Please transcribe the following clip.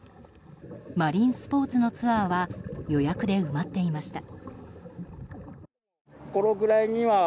マリンスポーツのツアーは予約で埋まっていました。